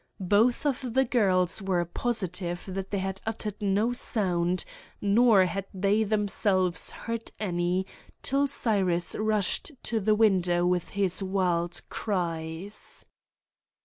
Both of the girls were positive that they had uttered no sound, nor had they themselves heard any, till Cyrus rushed to the window with his wild cries.